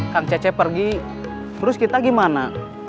kang cece pergi terus kita gimana